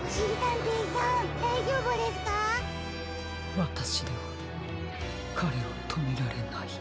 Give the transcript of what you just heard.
わたしではかれをとめられない。